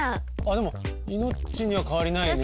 でもイノッチには変わりないね。